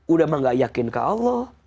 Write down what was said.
udah emang gak yakin ke allah